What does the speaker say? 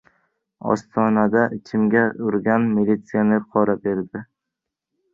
Ostonada ichimga urgan militsioner qora berdi.